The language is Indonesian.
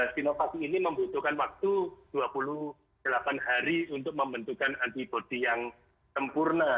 sinovac ini membutuhkan waktu dua puluh delapan hari untuk membentukkan antibody yang sempurna